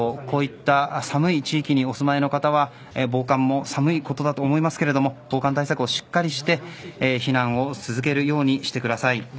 こういった寒い地域にお住まいの方は防寒も寒いと思いますが防寒対策をしっかりして避難を続けるようにしてください。